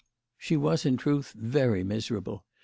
She was in truth very miserable.